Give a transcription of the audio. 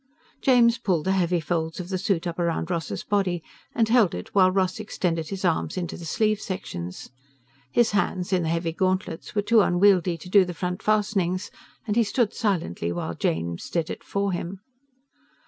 James pulled the heavy folds of the suit up around Ross's body and held it while Ross extended his arms into the sleeve sections. His hands, in the heavy gauntlets, were too unwieldy to do the front fastenings, and he stood silently while James did it for him.